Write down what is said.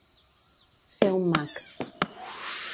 Ser un mac.